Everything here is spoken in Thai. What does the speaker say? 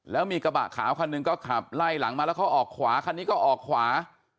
แล้วมีกระบะขาวคันหนึ่งก็ขับไล่หลังมาแล้วเขาออกขวาคันนี้ก็ออกขวา